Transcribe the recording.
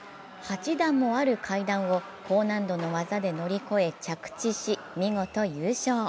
８段もある階段を高難度の技で乗り越え着地し、見事優勝。